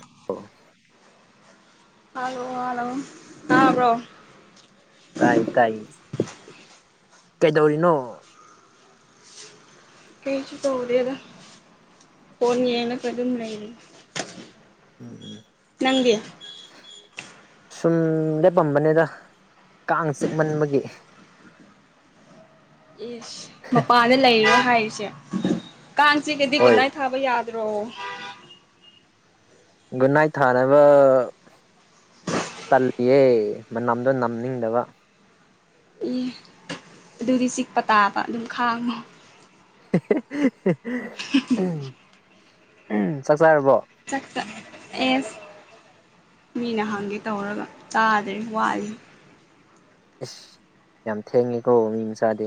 [inaudible] ꯑꯥꯂꫭ ꯑꯥꯂꫭ ꯇꯥꯕ꯭ꯔꯣ ꯇꯥꯏ ꯇꯥꯏ ꯀꯩꯗꯧꯔꯤꯅꯣ ꯀꯩꯁꯨ ꯇꯧꯗꯦꯗ ꯐꯣꯟ ꯌꯦꯡꯉꯒ ꯑꯗꯨꯝ ꯂꯩꯔꯤ ꯎꯝ ꯅꯪꯗꯤ ꯁꯨꯝ ꯂꯦꯞꯄꯝꯕꯅꯤꯗ ꯀꯥꯡ ꯆꯤꯛꯃꯟꯕꯒꯤ ꯏꯁꯁ ꯃꯄꯥꯟꯗ ꯂꯩꯔꯣ ꯍꯥꯏꯁꯦ ꯎꯆꯦꯛ ꯀꯥꯡꯆꯤꯛꯑꯗꯤ ꯍꯣꯏ ꯒꯨꯠꯅꯥꯢꯠ ꯊꯥꯕ ꯌꯥ ꯗ꯭ꯔꯣ ꯒꯨꯠ ꯅꯥꯏꯠ ꯊꯥꯅꯕ ꯇꯜꯂꯤꯌꯦ ꯃꯅꯝꯗꯣ ꯅꯝꯅꯤꯡꯗꯕ ꯏ ꯑꯗꯨꯗꯤ ꯆꯤꯛꯄ ꯇꯥꯕ ꯑꯗꯨꯝ ꯈꯥꯡꯉꯣ [unintelligible] ꯎꯝ ꯎꯝ ꯆꯥꯛ ꯆꯥꯛꯔꯕꯣ ꯑꯦꯁ ꯃꯤꯅ ꯍꯪꯒꯦ ꯇꯧꯔꯒ ꯇꯥꯗ꯭ꯔꯤ ꯋꯥꯠꯂꯤ ꯏꯁꯁ ꯌꯥꯝ ꯊꯦꯡꯉꯦꯀꯣ ꯃꯤ ꯃꯆꯥꯗꯤ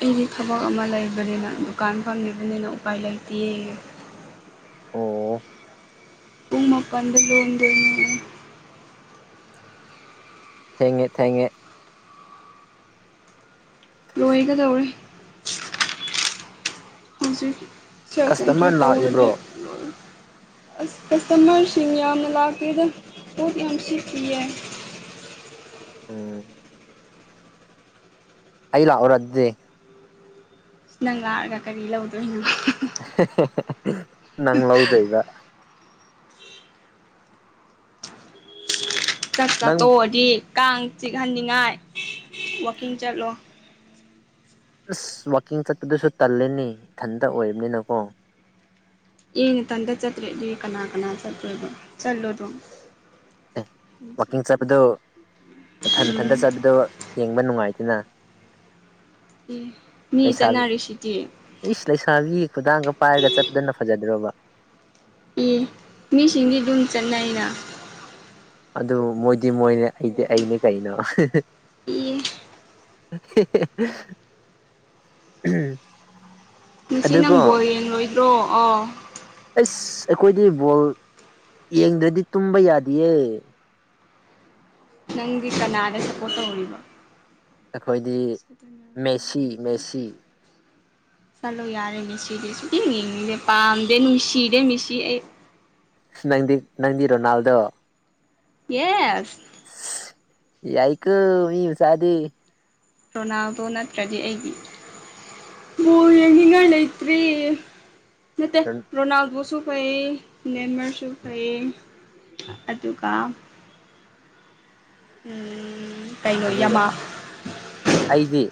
ꯑꯩꯗꯤ ꯊꯕꯛ ꯑꯃ ꯂꯩꯕꯅꯤꯅ ꯗꯨꯀꯥꯟ ꯐꯪꯂꯤꯕꯅꯤꯅ ꯎꯄꯥꯏ ꯂꯩꯇꯤꯌꯦ ꯑꯣ ꯄꯨꯡꯃꯄꯥꯟꯗ ꯂꯣꯟꯗꯣꯢꯅꯦ ꯊꯦꯡꯉꯦ ꯊꯦꯡꯉꯦ ꯂꯣꯏꯒꯗꯧꯔꯦ ꯍꯧꯖꯤꯛ ꯁꯦꯜ ꯑꯦꯟꯇ꯭ꯔꯤ ꯀꯁꯇꯃꯔ ꯇꯧꯔꯗꯤ ꯂꯥꯛꯏꯕ꯭ꯔꯣ ꯂꯣꯏꯔꯅꯤ ꯀꯁꯇꯃꯔꯁꯤꯡ ꯌꯥꯝꯅ ꯂꯥꯛꯇꯦꯗ ꯄꯣꯠ ꯌꯥꯝ ꯁꯤꯠꯇꯤꯌꯦ ꯎꯝ ꯑꯩ ꯂꯥꯛꯑꯣꯔ ꯑꯗꯨꯗꯤ ꯅꯪ ꯂꯥꯛꯑꯒ ꯀꯔꯤ ꯂꯧꯗꯣꯏꯅꯣ ꯅꯪ ꯂꯧꯗꯣꯏꯕ ꯆꯥꯛ ꯆꯥ ꯅꯪ ꯇꯣꯛꯑꯗꯤ ꯀꯥꯡ ꯆꯤꯛꯍꯟꯅꯤꯡꯉꯥꯏ ꯋꯥꯛꯀꯤꯡ ꯆꯠꯂꯣ ꯑꯁ ꯋꯥꯡꯀꯤꯡ ꯆꯠꯄꯗꯨꯁꯨ ꯇꯜꯂꯦꯅꯤ ꯏꯊꯟꯇ ꯑꯣꯏꯕꯅꯤꯅꯀꯣ ꯏꯊꯟꯗ ꯆꯠꯇ꯭ꯔꯗꯤ ꯀꯅꯥ ꯀꯅꯥ ꯆꯠꯇꯣꯏꯕ ꯆꯠꯂꯣ ꯗꯨꯝ ꯑꯦ ꯋꯥꯛꯀꯤꯡ ꯆꯠꯄꯗꯨ ꯃꯊꯟ ꯎꯝ ꯃꯊꯟꯇ ꯆꯠꯄꯗꯨ ꯌꯦꯡꯕ ꯅꯨꯡꯉꯥꯏꯇꯦꯅ ꯑꯦ ꯃꯤ ꯂꯩꯁꯥꯕꯤ ꯆꯠꯅꯔꯤꯁꯤꯗꯤ ꯏꯁ ꯂꯩꯁꯥꯕꯤ ꯈꯨꯗꯥꯡꯒ ꯄꯥꯏꯔꯒ ꯆꯠꯄꯗꯅ ꯐꯖꯗ꯭ꯔꯣꯕ ꯑꯦ ꯃꯤꯁꯤꯡꯗꯤ ꯑꯗꯨꯝ ꯆꯠꯅꯩꯅ ꯑꯗꯨ ꯃꯣꯏ ꯗꯤ ꯃꯣꯏꯅꯦ ꯑꯩꯗꯤ ꯑꯩꯅꯦ ꯀꯩꯅꯣ ꯑꯦ ꯎꯝ ꯉꯁꯤ ꯅꯡ ꯕꯣꯔ ꯌꯦꯡ ꯂꯣꯏꯗ꯭ꯔꯣ ꯑꯣ ꯏꯁ ꯑꯩꯈꯣꯏꯗꯤ ꯕꯣꯜ ꯌꯦꯡꯗ꯭ꯔꯗꯤ ꯇꯨꯝꯕ ꯌꯥꯗꯌꯦ ꯅꯡꯗꯤ ꯀꯅꯥꯗ ꯁꯞꯄꯣꯔꯠ ꯇꯧꯔꯤꯕ ꯑꯩꯈꯣꯏꯗꯤ ꯃꯦꯁꯤ ꯃꯦꯁꯤ ꯆꯠꯂꯣ ꯌꯥꯔꯦ ꯃꯤꯁꯤꯗꯤ ꯁꯨ ꯏꯡ ꯌꯦꯡꯉꯗꯦ ꯄꯥꯝꯗꯦ ꯅꯨꯡꯁꯤꯔꯦ ꯃꯤꯁꯤ ꯑꯩ ꯅ ꯅꯡꯗꯤ ꯔꯣꯅꯥꯜꯗꯣ ꯌꯦꯁ ꯌꯥꯏꯀꯪ ꯃꯤ ꯃꯆꯥꯗꯤ ꯔꯣꯅꯥꯜꯗꯣ ꯅꯠꯇ꯭ꯔꯗꯤ ꯑꯩꯗꯤ ꯕꯥꯜ ꯌꯦꯡꯅꯤꯡꯉꯥꯏ ꯂꯩꯇ꯭ꯔꯦ ꯅꯠꯇ ꯔꯣꯅꯥꯜꯗꯣꯁꯨ ꯐꯩꯌꯦ ꯅꯦꯟꯃꯥꯔꯁꯨ ꯐꯩꯌꯦ ꯑꯗꯨꯒ ꯎꯝ ꯀꯩꯅꯣ ꯑꯗꯨꯒ ꯌꯥꯃꯥ ꯑꯩꯗꯤ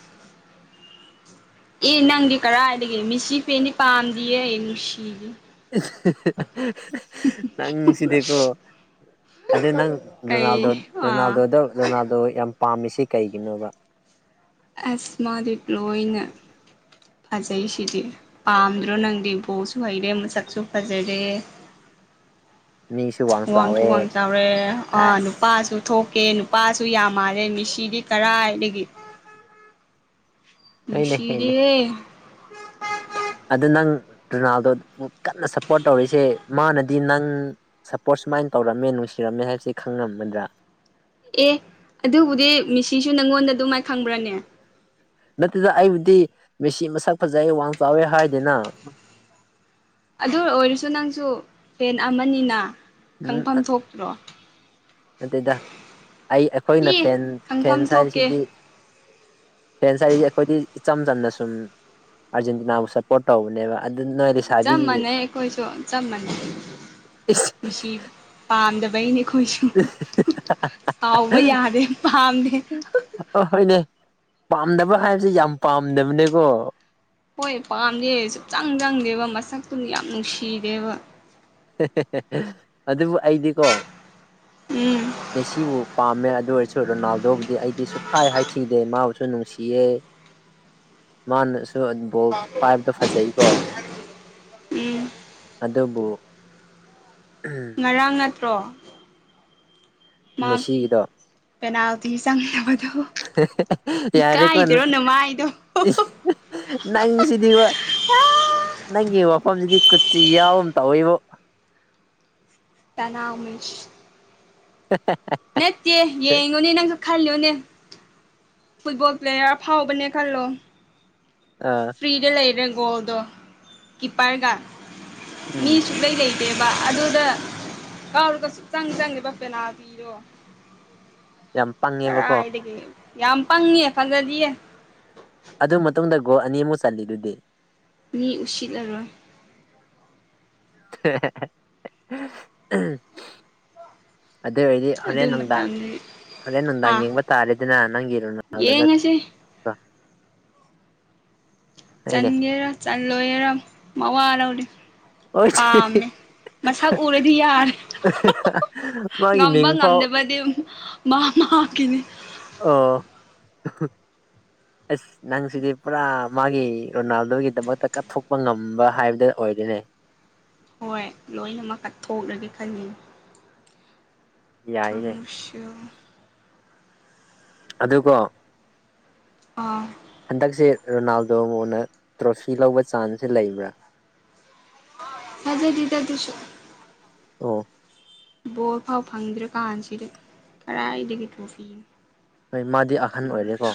ꯑꯦ ꯅꯪꯗꯤ ꯀꯔꯥꯏꯗꯒꯤ ꯃꯤꯁꯤ ꯄꯦꯟꯅꯤ ꯄꯥꯝꯗꯤꯌꯦ ꯅꯨꯡꯁꯤꯗꯦ ꯅꯪ ꯁꯤꯗꯤꯀꯣ ꯑꯗꯨ ꯅꯪ ꯀꯩ ꯔꯣꯅꯥꯜꯗꯣ ꯑꯥ ꯔꯣꯅꯥꯜꯗꯣꯗ ꯔꯣꯅꯥꯜꯗꯣ ꯌꯥꯝ ꯄꯥꯝꯃꯤꯁꯤ ꯀꯩꯒꯤꯅꯣꯕ ꯑꯁ ꯃꯥꯗꯤ ꯂꯣꯏꯅ ꯐꯖꯩ ꯁꯤꯗꯤ ꯄꯥꯝꯗ꯭ꯔꯣ ꯅꯡꯗꯤ ꯕꯣꯜꯁꯨ ꯍꯩꯔꯦ ꯃꯁꯥꯛꯁꯨ ꯐꯖꯔꯦ ꯃꯤꯁꯨ ꯋꯥꯡ ꯋꯥꯡꯁꯨ ꯆꯥꯎꯋꯦ ꯋꯥꯡ ꯆꯥꯎꯔꯦ ꯑꯥ ꯑꯁ ꯅꯨꯄꯥꯁꯨ ꯊꯣꯛ ꯀꯦ ꯅꯨꯄꯥꯁꯨ ꯌꯥꯝ ꯃꯥꯜꯂꯦ ꯃꯤꯁꯤꯗꯤ ꯀꯔꯥꯏꯗꯒꯤ ꯍꯣꯢꯅꯦ ꯍꯦꯅꯦ ꯅꯨꯡꯁꯤꯔꯦꯍꯦ ꯑꯗꯨ ꯅꯪ ꯔꯣꯅꯥꯜꯗꯣ ꯀꯟꯅ ꯁꯞꯄꯣꯔꯠ ꯇꯧꯔꯤꯁꯦ ꯃꯥꯅꯗꯤ ꯅꯡ ꯁꯞꯄꯣꯔꯠ ꯁꯨꯃꯥꯏꯅ ꯇꯧꯔꯝꯃꯦ ꯅꯨꯡꯁꯤꯔꯝꯃꯦ ꯍꯥꯏꯕꯁꯦ ꯈꯪꯉꯝꯒꯥꯗ꯭ꯔꯥ ꯑꯦ ꯑꯗꯨꯕꯨꯗꯤ ꯃꯤꯁꯤꯁꯨ ꯅꯉꯣꯟꯗ ꯑꯗꯨꯃꯥꯏꯅ ꯈꯪꯕ꯭ꯔꯥꯅꯦ ꯅꯠꯇꯦꯗ ꯑꯩꯕꯨꯗꯤ ꯃꯦꯁꯤ ꯃꯁꯛ ꯐꯖꯩ ꯋꯥꯡ ꯆꯥꯎꯋꯦ ꯍꯥꯏꯗꯦꯅ ꯑꯗꯨ ꯑꯣꯏꯔꯁꯨ ꯅꯡꯁꯨ ꯄꯦꯟ ꯑꯃꯅꯤꯅ ꯈꯪꯐꯝ ꯊꯣꯛꯇ꯭ꯔꯣ ꯅꯠꯇꯦꯗꯥ ꯑꯩ ꯑꯩꯈꯣꯏꯅ ꯏ ꯐꯦꯟ ꯈꯪꯐꯝ ꯐꯦꯟꯁ ꯊꯣꯛꯀꯦ ꯍꯥꯏꯔꯤꯁꯤꯗꯤ ꯐꯦꯟꯁ ꯍꯥꯏꯔꯤꯁꯦ ꯑꯩꯈꯣꯏꯗꯤ ꯏꯆꯝ ꯆꯝꯅ ꯁꯨꯝ ꯑꯥꯔꯖꯦꯟꯇꯤꯅꯥꯕꯨ ꯁꯞꯄꯣꯔꯠ ꯇꯧꯕꯅꯦꯕ ꯅꯣꯏ ꯆꯞ ꯂꯩꯁꯥꯕꯤꯒꯤ ꯃꯥꯟꯅꯩ ꯑꯩꯈꯣꯏꯁꯨ ꯆꯞ ꯃꯥꯟꯅꯩ ꯏꯁ ꯅꯨꯡꯁꯤ ꯄꯥꯝꯗꯕꯩꯅꯤ ꯑꯩꯈꯣꯏꯁ ꯁꯥꯎꯕ ꯌꯥꯗꯦ ꯄꯥꯝꯗꯦ ꯍꯣꯏꯅꯦ ꯄꯥꯝꯗꯕ ꯍꯥꯏꯕꯁꯦ ꯌꯥꯝ ꯄꯥꯝꯗꯕꯅꯦꯀꯣ ꯍꯣꯏ ꯄꯥꯝꯗꯦ ꯁꯨꯛꯆꯪ ꯆꯪꯗꯦꯕ ꯃꯁꯛꯇꯨꯅ ꯌꯥꯝ ꯅꯨꯡꯁꯤꯗꯦꯕ ꯑꯗꯨꯕꯨ ꯑꯩꯗꯤꯀꯣ ꯎꯝ ꯃꯦꯁꯤꯃꯨꯛ ꯄꯥꯝꯃꯦ ꯑꯗꯨ ꯑꯣꯏꯔꯁꯨ ꯔꯣꯅꯥꯜꯗꯣꯕꯨꯗꯤ ꯑꯩꯗꯤ ꯁꯨꯡꯈꯥꯏ ꯍꯥꯏꯊꯤꯗꯦ ꯃꯥꯕꯨꯁꯨ ꯅꯨꯡꯁꯤꯌꯦ ꯃꯥꯅꯁꯨ ꯁꯨ ꯑꯟ ꯕꯣꯜ ꯄꯥꯏꯕꯗꯣ ꯐꯖꯩꯀꯣ ꯎꯝ ꯑꯗꯨꯕꯨ ꯉꯔꯥꯡꯅ ꯇ꯭ꯔꯣ ꯃꯦꯁꯤꯒꯤꯗꯣ ꯆꯪꯅꯕꯗꯣ ꯌꯥꯔꯦꯀꯣ ꯏꯀꯥꯏꯗ꯭ꯔꯣ ꯅꯃꯥꯏꯗꯣ ꯅꯪꯁꯤꯗꯤꯕ ꯅꯪꯒꯤ ꯋꯥꯐꯝꯁꯤꯗꯤ ꯀꯨꯆꯤ ꯌꯥꯎꯒꯨꯝ ꯇꯧꯋꯤꯕꯨ ꯇꯅꯥꯎꯃꯦꯁ ꯅꯠꯇꯦ ꯌꯦꯡꯉꯨꯅꯦ ꯅꯪꯁꯨ ꯈꯜꯂꯨꯅꯦ ꯐꯨꯠꯕꯣꯜ ꯄ꯭ꯂꯦꯌꯔ ꯑꯐꯥꯎꯕꯅꯦ ꯈꯜꯂꯣ ꯑꯥ ꯐ꯭ꯔꯤꯗ ꯂꯩꯔ ꯕꯣꯜꯗꯣ ꯀꯤꯄꯔꯒꯥ ꯃꯤ ꯎꯝ ꯁꯨꯛꯂꯩ ꯂꯩ ꯂꯩꯇꯦꯕ ꯑꯗꯨꯗ ꯀꯥꯎꯔꯒ ꯁꯨꯛꯆꯪ ꯆꯪꯒꯤꯕ ꯄꯦꯅꯥꯜꯇꯤꯗꯣ ꯌꯥꯝ ꯄꯪꯉꯦꯕꯀꯣ ꯀꯔꯥꯏꯗꯒꯤ ꯌꯥꯝ ꯄꯪꯉꯦ ꯐꯖꯗꯤꯌꯦ ꯑꯗꯨ ꯃꯇꯨꯡꯗ ꯒꯣꯜ ꯑꯅꯤ ꯑꯝꯒ ꯆꯜꯂꯤꯗꯨꯗꯤ ꯃꯤ ꯎꯁꯤꯠ ꯂꯔꯣꯏ [inaudible] ꯑꯗꯨ ꯑꯣꯏꯔꯗꯤ ꯑꯗꯨ ꯍꯣꯔꯦꯟ ꯅꯨꯡꯗꯥꯡ ꯃꯇꯝꯗꯨ ꯍꯣꯔꯦꯟ ꯅꯨꯡꯗꯥꯡ ꯑꯥ ꯌꯦꯡꯕ ꯇꯥꯔꯦꯗꯅ ꯅꯪꯒꯤ ꯔꯣꯅꯥꯜꯗꯗ ꯌꯦꯡꯉꯁꯤ ꯑꯩꯅꯦ ꯆꯟꯒꯦꯔꯥ ꯆꯜꯂꯣꯏꯔꯥ ꯃꯋꯥ ꯂꯧꯗꯦ ꯑꯣꯏ ꯄꯥꯝꯃꯦ ꯃꯁꯛ ꯎꯔꯗꯤ ꯌꯥꯔꯦ ꯃꯥꯒꯤ ꯉꯝꯕ ꯃꯤꯡ ꯐꯥꯎ ꯉꯝꯗꯕꯗꯤ ꯃꯥ ꯃꯥꯒꯤꯅꯤ ꯑꯣ ꯑꯁ ꯅꯪꯁꯤꯗꯤ ꯄꯨꯔꯥ ꯃꯥꯒꯤ ꯔꯣꯅꯥꯜꯗꯣꯒꯤꯗꯃꯛꯇ ꯀꯠꯊꯣꯛꯄ ꯉꯝꯕ ꯍꯥꯏꯕꯗ ꯑꯣꯏꯔꯦꯅꯦ ꯍꯣꯏ ꯂꯣꯏꯅ ꯃꯛ ꯀꯠꯊꯣꯛꯔꯒꯦ ꯈꯜꯂꯤꯅꯤ ꯌꯥꯏꯅꯦ ꯊꯔꯃꯨꯁꯤꯌꫭ ꯑꯗꯨꯀꯣ ꯑꯥ ꯍꯟꯗꯛꯁꯦ ꯔꯣꯅꯥꯜꯗꯣꯕꯨꯅ ꯇ꯭ꯔꯣꯐꯤ ꯂꯧꯕ ꯆꯥꯟꯁꯦ ꯂꯩꯕ꯭ꯔꯥ ꯊꯥꯖꯗꯦꯗꯗꯨꯁꯨ ꯑꫭ ꯕꯣꯜ ꯐꯥꯎ ꯐꯪꯗ꯭ꯔ ꯀꯥꯟꯁꯤꯗ ꯀꯗꯥꯏꯗꯒꯤ ꯇ꯭ꯔꯣꯐꯤꯅꯣ ꯍꯣꯏ ꯃꯥꯗꯤ ꯑꯍꯟ ꯑꯣꯏꯔꯦꯀꯣ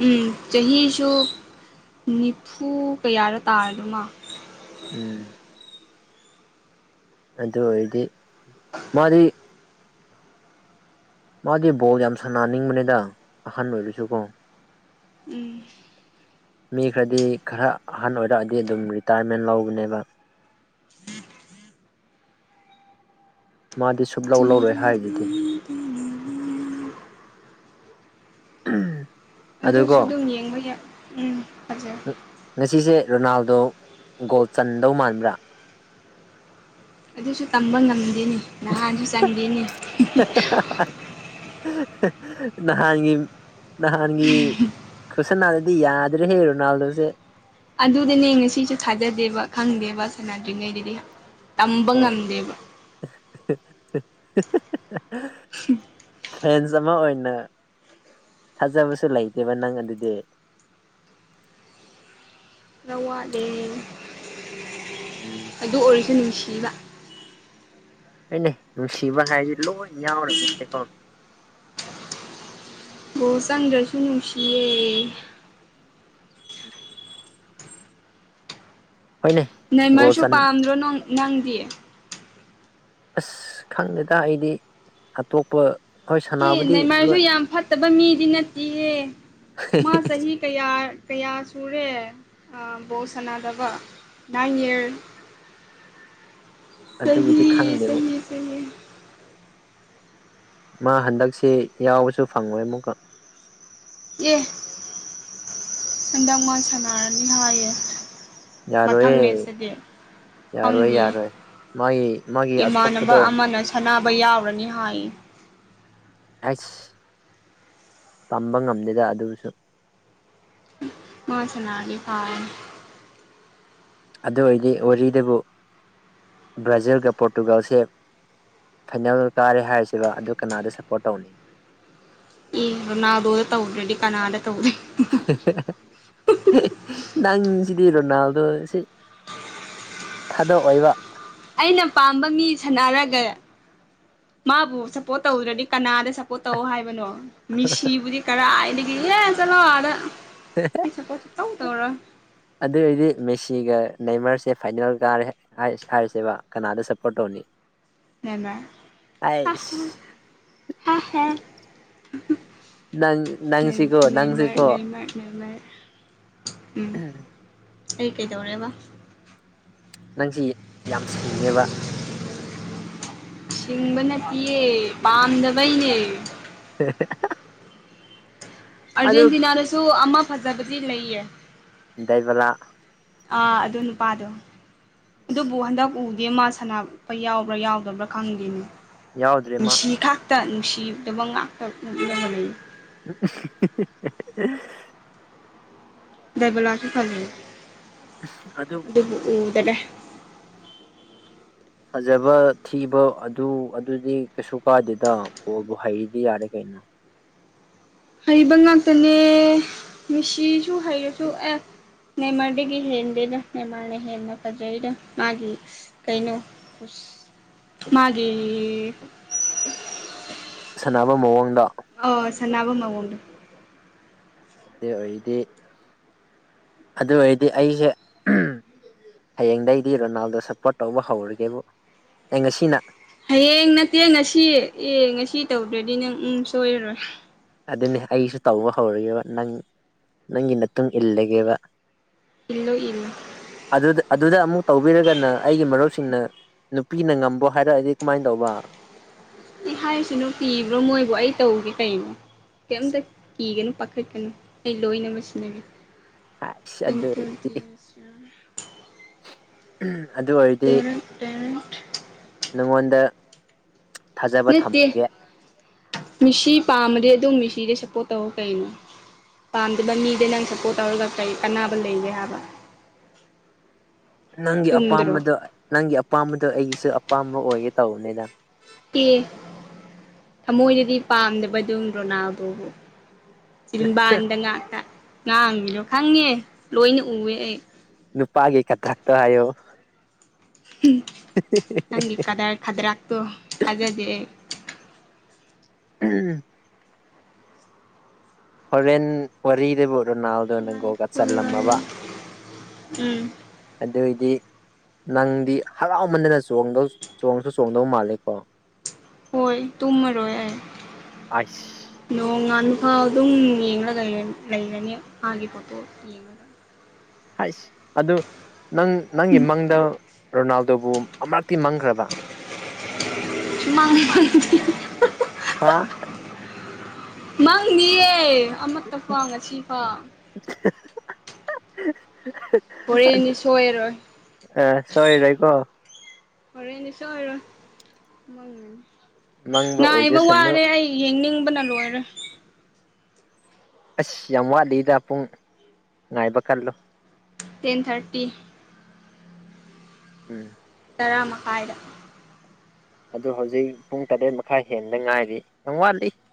ꯎꯝ ꯆꯍꯤꯁꯨ ꯅꯤꯐꯨ ꯀꯌꯥꯔ ꯇꯥꯔꯗ ꯃꯥ ꯎꯝ ꯑꯗꯨ ꯑꯣꯏꯔꯗꯤ ꯃꯥꯗꯤ ꯃꯥꯗꯤ ꯕꯣꯜ ꯌꯥꯝ ꯁꯥꯟꯅꯤꯡꯕꯅꯤꯗ ꯑꯍꯟ ꯑꯣꯏꯔꯁꯨꯀꯣ ꯎꯝ ꯃꯤ ꯈꯔꯗꯤ ꯈꯔ ꯑꯍꯟ ꯑꯣꯏꯔꯛꯑꯗꯤ ꯑꯗꯨꯝ ꯔꯤꯇꯥꯌꯔꯃꯦꯟ ꯂꯧꯕꯅꯦꯕ ꯍ ꯍ [inaudible] ꯃꯥꯗꯤ ꯁꯨꯞꯂꯧ ꯂꯧꯔꯣꯏ ꯇꯔ ꯇ ꯍꯥꯏꯗꯨꯗꯤ [unintelligible] ꯎꯝ ꯑꯗꯨꯁꯨ ꯑꯗꯨꯝ ꯌꯦꯡꯕ ꯌꯥꯏ ꯎꯝ ꯐꯖꯩ ꯉꯁꯤꯁꯦ ꯔꯣꯅꯥꯜꯗꯣ ꯒꯣꯜ ꯆꯟꯗꯧ ꯃꯥꯟꯕ꯭ꯔꯥ ꯑꯗꯨꯁꯨ ꯇꯝꯕ ꯉꯝꯃꯤ ꯆꯅꯤ ꯅꯍꯥꯟꯁꯨ ꯆꯪꯒꯦꯅꯤ ꯅꯍꯥꯟꯒꯤ ꯅꯍꯥꯟꯒꯤ ꯈ ꯁꯅꯥꯗꯗꯤ ꯌꯥꯗ꯭ꯔꯦ ꯍꯦ ꯔꯣꯅꯥꯜꯗꯣꯁꯦ ꯑꯗꯨꯗꯤꯅꯦ ꯉꯁꯤꯁꯨ ꯊꯥꯖꯗꯦꯕ ꯈꯪꯗꯦꯕ ꯎꯕꯥ ꯁꯅꯗꯤꯉꯩꯗꯗꯤ ꯇꯝꯕ ꯉꯝꯗꯦꯕ [inaudible] [unintelligible] ꯐꯦ ꯐꯖ ꯑꯃ ꯑꯣꯏꯅ ꯊꯥꯖꯕꯁꯨ ꯂꯩꯇꯦꯕ ꯅꯪ ꯑꯗꯨꯗꯤ ꯎꯝ [unintelligible] ꯑꯗꯨ ꯑꯣꯔꯤꯖꯤꯅꯦꯜꯁ ꯂꯩꯕ ꯀꯩꯅ ꯅꯨꯡꯁꯤꯕ ꯍꯥꯏꯗꯤ ꯂꯣꯏ ꯌꯥꯎꯔꯕꯅꯤꯦꯀꯣ ꯕ ꯆꯪꯗ꯭ꯔꯁꯨ ꯅꯨꯡꯁꯤꯌꯦ ꯍꯣꯏꯅꯦ ꯒꯣꯜ ꯅꯃꯔꯁꯨ ꯆꯟ ꯄꯥꯝꯗ꯭ꯔꯣ ꯅꯪ ꯅꯪꯗꯦ ꯑꯁ ꯈꯪꯗꯦꯗ ꯑꯩꯗꯤ ꯑꯇꯣꯞꯄ ꯍꯣꯏ ꯑꯦ ꯁꯥꯟꯅꯕꯗꯤ ꯅꯏꯃꯥꯏꯁꯨ ꯂꯣꯏ ꯌꯥꯝ ꯐꯠꯇꯕ ꯃꯤꯗꯤ ꯅꯠꯇꯦꯍꯦ ꯃꯥ ꯆꯍꯤ ꯀꯌꯥ ꯀꯌꯥ ꯁꯨꯔꯦ ꯕꯣ ꯁꯥꯟꯅꯗꯕ ꯅꯥꯏꯟ ꯏꯔ ꯁ ꯑꯗꯨꯕꯨꯗꯤ ꯈꯪꯗꯦꯕ ꯁꯍꯤ ꯁ ꯃꯥ ꯍꯟꯗꯛꯁꯤ ꯌꯥꯎꯕꯁꯨ ꯐꯪꯉꯣꯏ ꯑꯃꯨꯛꯀ ꯑꯦ ꯍꯟꯗꯛ ꯋꯥ ꯁꯥꯟꯅꯔꯅꯤ ꯍꯥꯏꯌꯦ ꯃꯊꯪ ꯌꯥꯔꯣꯏꯌꯦ ꯃꯦꯠꯁꯇꯗꯤ ꯌꯥꯔꯣꯏ ꯈꯪꯗꯤꯌꯦ ꯌꯥꯔꯣꯏ ꯃꯥꯒꯤ ꯃꯥꯒꯤ ꯑꯁꯣꯛꯄꯗꯣ ꯕ ꯌꯥꯎꯔꯅꯤ ꯍꯥꯏ ꯑꯩꯁ ꯇꯝꯕ ꯉꯝꯗꯦꯗ ꯑꯗꯨꯁꯨ ꯃꯥ ꯆꯅꯥꯅꯤ ꯀꯥꯔ ꯑꯗꯨ ꯑꯣꯏꯔꯗꯤ ꯋꯥꯔꯤꯗꯕꯨ ꯕ꯭ꯔꯥꯖꯤꯜꯒ ꯄꯣꯔꯇꯨꯒꯥꯜꯁꯦ ꯐꯥꯏꯅꯦꯜ ꯀꯥꯔꯦ ꯍꯥꯏꯔꯤꯁꯤꯕ ꯑꯗꯨ ꯀꯅꯥꯗ ꯁꯞꯄꯣꯔꯠ ꯇꯧꯅꯤ ꯏ ꯅ ꯑꯗꯨꯣ ꯇꯧꯗ꯭ꯔꯦꯗꯤ ꯀꯅꯥꯗ ꯇꯧꯅꯤ [unintelligible] ꯅꯪꯁꯤꯗꯤ ꯔꯣꯅꯥꯜꯗꯣ ꯁꯤ ꯊꯥꯗꯑꯣꯏꯕ ꯑꯩꯅ ꯄꯥꯝꯕ ꯃꯤ ꯁꯥꯟꯅꯔꯒ ꯃꯥꯕꯨ ꯁꯞꯄꯣꯔꯠ ꯇꯧꯗ꯭ꯔꯗꯤ ꯀꯅꯥꯗ ꯁꯞꯄꯣꯔꯠ ꯇꯧ ꯍꯥꯏꯕꯅꯣ ꯃꯤꯁꯤꯕꯨꯗꯤ ꯀꯔꯥꯏꯗꯒꯤ ꯀꯤꯍꯦ ꯆꯠꯂꯣ ꯑꯥꯗ ꯑꯩ ꯁꯞꯄꯣꯔꯠ ꯁꯨꯛꯇꯧ ꯇꯧꯔꯣꯏ ꯑꯗꯨ ꯑꯣꯏꯗꯤ ꯃꯦꯁꯤꯒ ꯅꯏꯃꯔꯁꯦ ꯐꯥꯏꯅꯦꯜ ꯇꯥꯔꯦ ꯍꯥꯏꯔꯤꯁꯦꯕ ꯀꯅꯥꯗ ꯁꯞꯄꯣꯔꯠ ꯇꯧꯅꯤ ꯅꯦꯃꯥꯔ ꯑꯩꯁ [unintelligible] [unintelligible] ꯅꯪ ꯅꯪꯁꯤꯀꯣ ꯅꯦꯃꯥꯔ ꯅꯪꯁꯤꯀꯣ ꯅꯦꯃꯥꯔ ꯅꯦꯃꯥꯔ ꯎꯝ ꯑꯩ ꯀꯩꯗꯧꯔꯦꯕ ꯅꯪꯁꯤ ꯌꯥꯝ ꯁꯤꯡꯉꯦꯕ ꯁꯤꯡꯕꯅ ꯄꯤꯌꯦ ꯄꯥꯝꯗꯕꯩꯅꯦ [unintelligible] ꯑꯗꯨ ꯑꯔꯖꯦꯟꯇꯤꯅꯥ ꯁꯨ ꯑꯃ ꯐꯖꯕꯗꯤ ꯂꯩꯌꯦ ꯗꯥꯏꯕꯂꯥ ꯑꯥ ꯑꯗꯨ ꯅꯨꯄꯥꯗꯣ ꯑꯗꯨꯕꯨ ꯍꯟꯗꯛ ꯎ ꯅꯦꯃꯥꯔ ꯁꯥꯟꯅꯕ ꯌꯥꯎꯕ꯭ꯔꯥ ꯌꯥꯎꯗꯕ꯭ꯔꯥ ꯈꯪꯗꯦꯅꯦ ꯌꯥꯎꯗ꯭ꯔꯦ ꯃꯥ ꯃꯦꯁꯤ ꯈꯥꯛꯇ ꯅꯨꯡꯁꯤꯗꯕ ꯉꯥꯛꯇ ꯎꯠꯂꯒ ꯂꯩ [unintelligible] ꯗꯥꯏꯕꯂꯥ ꯁꯨ ꯐꯥꯖꯩ ꯑꯗꯨ ꯑꯗꯨꯕꯨ ꯎꯗꯔꯦ ꯐꯖꯕ ꯊꯤꯕ ꯑꯗꯨ ꯑꯗꯨꯗꯤ ꯀꯩꯁꯨ ꯀꯥꯗꯦꯗ ꯕꯣꯜꯕꯨ ꯍꯩꯔꯥꯗꯤ ꯌꯥꯔꯦ ꯀꯩꯅꯣ ꯍꯩꯕ ꯉꯥꯛꯇꯅꯦ ꯃꯦꯁꯤꯁꯨ ꯍꯩꯔꯁꯨ ꯑꯦ ꯅꯦꯃꯔꯗꯒꯤ ꯍꯦꯟꯗꯦꯗ ꯅꯦꯃꯔꯅ ꯍꯦꯟꯅ ꯐꯖꯩꯗ ꯃꯥꯒꯤ ꯀꯩꯅꯣ ꯃꯥꯒꯤ ꯁꯥꯟꯅꯕ ꯃꯑꯣꯡꯗ ꯑ ꯁꯅꯥꯕ ꯃꯑꯣꯟꯗꯨ ꯑꯗꯨ ꯑꯣꯏꯗꯤ ꯑꯗꯨ ꯑꯣꯏꯔꯗꯤ ꯑꯩꯁꯦ ꯍꯌꯦꯡꯗꯩꯗꯤ ꯔꯣꯅꯥꯜꯗꯣ ꯁꯞꯄꯣꯔꯠ ꯇꯧꯕ ꯍꯧꯔꯒꯦꯕꯨ ꯑꯩ ꯉꯁꯤꯅ ꯍꯌꯦꯡ ꯅꯠꯇꯦ ꯉꯁꯤ ꯑꯦ ꯉꯁꯤ ꯇꯧꯗ꯭ꯔꯗꯤ ꯅꯪ ꯎꯝ ꯁꯣꯏꯔꯔꯣꯏ ꯑꯗꯨꯅꯤ ꯑꯩꯁꯨ ꯇꯧꯕ ꯍꯧꯔꯒꯦꯕ ꯅꯪ ꯅꯪꯒꯤ ꯃꯇꯨꯡ ꯏꯜꯂꯒꯦꯕ ꯏꯜꯂꯣ ꯏꯜꯂꯣ ꯑꯗꯨꯗ ꯑꯗꯨꯗ ꯑꯃꯨꯛ ꯇꯧꯕꯤꯔꯒꯅ ꯑꯩꯒꯤ ꯃꯔꯨꯞꯁꯤꯡꯅ ꯅꯨꯄꯤꯅ ꯉꯝꯕꯣ ꯍꯥꯏꯔꯛꯑꯗꯤ ꯀꯃꯥꯏꯅ ꯇꯧꯕ ꯑꯦ ꯍꯥꯏꯔꯤꯁꯤꯅꯨ ꯀꯤꯕ꯭ꯔꯣ ꯃꯣꯏꯕꯨ ꯑꯩ ꯇꯧꯒꯦ ꯀꯩꯅꯣ ꯀꯔꯤꯝꯇ ꯀꯤꯒꯅꯨ ꯄꯥꯈꯠꯀꯅꯨ ꯑꯩ ꯂꯣꯏꯃꯛ ꯁꯤꯟꯅꯒꯦ ꯑꯁ ꯑꯗꯨ ꯄꯦꯟꯇꯦꯝ [unintelligible] ꯎꯝ ꯇꯦꯟ ꯇꯦꯟ ꯅꯪꯉꯣꯟꯗ ꯊꯥꯖꯕ ꯅꯠꯇ ꯊꯝꯒꯦ ꯃꯤꯁꯤ ꯄꯥꯝꯕꯔꯦ ꯑꯗꯨꯝ ꯃꯤꯁꯤꯗ ꯁꯥꯄꯣꯠꯇꯧ ꯀꯩꯅꯣ ꯄꯥꯝꯗꯕ ꯃꯤꯗꯥ ꯅꯪ ꯁꯄꯣꯔꯠ ꯇꯧꯔꯒ ꯅꯪ ꯀꯔꯤ ꯀꯟꯅꯕ ꯂꯩ ꯍꯥꯏꯕ ꯅꯪꯒꯤ ꯆꯨꯝꯗ꯭ꯔꯣ ꯑꯄꯥꯝꯕꯗ ꯅꯪꯒꯤ ꯑꯄꯥꯝꯕꯗꯣ ꯑꯩꯒꯤꯁꯨ ꯑꯄꯥꯝꯕ ꯑꯣꯏꯒꯦ ꯇꯧꯕꯅꯦꯗ ꯑꯦ ꯊꯃꯣꯏꯗꯗꯤ ꯄꯥꯝꯗꯕ ꯑꯗꯨꯝ ꯔꯣꯅꯥꯜꯗꯣꯕꯨ ꯆꯟꯕꯥꯟꯗ ꯉꯛꯇ ꯉꯥꯡꯉꯤꯗꯣ ꯈꯪꯉꯦ ꯂꯣꯏꯅ ꯎꯑꯦ ꯑꯩ ꯅꯨꯄꯥꯒꯤ ꯈꯗ꯭ꯔꯥꯛꯛꯇ ꯍꯥꯏꯌꯣ ꯅꯪꯒꯤ ꯈꯗꯔ ꯈꯗꯔꯥꯛꯇꯣ ꯈꯖꯗꯦ ꯑꯩ꯫ ꯎꯝ ꯍꯣꯔꯦꯟ ꯋꯥꯔꯤꯕꯣ ꯔꯣꯅꯥꯜꯗꯣꯅ ꯒꯣꯜꯒ ꯆꯜꯂꯝꯃꯕ꯫ ꯎꯝ ꯗꯤ ꯅꯪꯗꯤ ꯍꯔꯥꯎꯃꯟꯗꯅ ꯆꯣꯡꯗꯧ ꯆꯣꯡꯁꯨ ꯆꯣꯡꯗꯧ ꯃꯥꯂꯀꯣ ꯍꯣꯏ ꯇꯨꯝꯃꯔꯣꯏ ꯑꯩ ꯑꯥꯏꯁ ꯅꯣꯡ ꯉꯥꯟ ꯥꯐꯧ ꯑꯗꯨꯝ ꯌꯦꯡꯂꯒ ꯂꯩꯔꯅꯤ ꯃꯥꯥꯒꯤ ꯐꯣꯠꯇꯣ ꯌꯦꯡꯉꯒ ꯍꯥꯏꯁ ꯑꯗꯨ ꯅꯪ ꯅꯪꯒꯤ ꯃꯪꯗ ꯔꯣꯅꯥꯜꯗꯣꯕꯨ ꯑꯃꯇꯤ ꯃꯥꯡꯈ꯭ꯔꯕ ꯃꯪ [unintelligible] ꯍꯥꯥ ꯃꯥꯥꯡꯗꯤꯌꯦ ꯑꯃꯠꯇ ꯐꯥꯎ ꯉꯁꯤ ꯐꯥꯎ ꯍꯣꯔꯦꯟꯗꯤ ꯁꯣꯏꯔꯣꯏ ꯑꯥ ꯁꯣꯏꯔꯣꯏꯀꯣ ꯍꯣꯔꯦꯟꯗꯤ ꯁꯣꯏꯔꯣꯏ ꯃꯪꯅꯤ꯫ ꯃꯪꯕ ꯉꯥꯏꯕ ꯑꯣꯏꯖꯁꯅꯨ ꯋꯥꯔꯦ ꯑꯩ ꯌꯦꯡꯅꯤꯡꯕ ꯑꯣꯏꯔꯦ ꯑꯁ ꯌꯥꯝ ꯋꯥꯠꯂꯤꯗ ꯄꯨꯡ ꯉꯥꯏꯕ ꯈꯜꯂꯣ ꯇꯦꯟ ꯊꯥꯔꯇꯤ ꯎꯝ ꯇꯔꯥ ꯃꯈꯥꯏꯗ ꯑꯗꯨ ꯍꯧꯖꯤꯛ ꯄꯨꯡ ꯇꯔꯦꯠ ꯃꯈꯥꯏ ꯍꯦꯟꯟꯅ ꯉꯥꯏꯔꯤ ꯌꯥꯝ ꯋꯥꯠꯂꯤ